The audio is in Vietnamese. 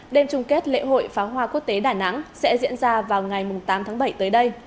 đêm chung kết lễ hội pháo hoa quốc tế đà nẵng sẽ diễn ra vào ngày tám tháng bảy tới đây